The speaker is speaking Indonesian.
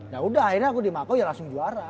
yaudah akhirnya aku di makau ya langsung juara